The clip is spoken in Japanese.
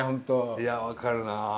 いや分かるなあ。